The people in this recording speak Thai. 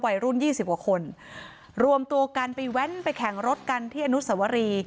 วัยรุ่นยี่สิบกว่าคนรวมตัวกันไปแว้นไปแข่งรถกันที่อนุสวรี